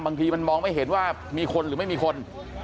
บางทีมันมองไม่เห็นว่ามีคนหรือไม่มีคน